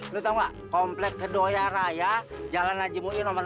lu tau gak komplek kedua ya raya jalan najibungi nomor enam belas